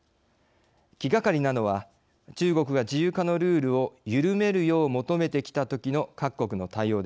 気がかりなのは中国が自由化のルールを緩めるよう求めてきたときの各国の対応です。